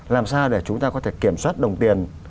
làm sao để chúng ta có thể kiểm soát đồng tiền